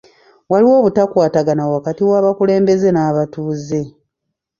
Waliwo obutakwatagana wakati w'abakulembeze n'abatuuze.